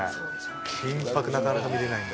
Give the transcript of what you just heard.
金ぱく、なかなか見れないんで。